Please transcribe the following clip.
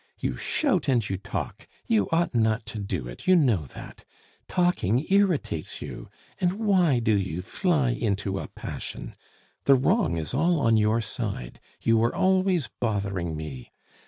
You shout and you talk! you ought not to do it, you know that. Talking irritates you. And why do you fly into a passion? The wrong is all on your side; you are always bothering me.